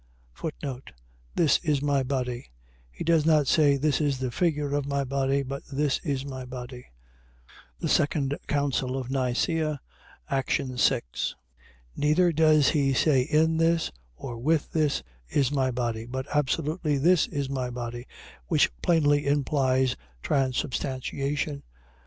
This is my body. . .He does not say, This is the figure of my body but This is my body. (2 Council of Nice, Act. 6.) Neither does he say in this, or with this is my body; but absolutely, This is my body: which plainly implies transubstantiation.